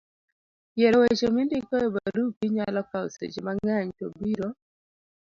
yiero weche mindiko e barupi nyalo kawo seche mang'eny to biro